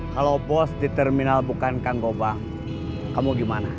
kalo bos di terminal bukan kang gopang kamu gimana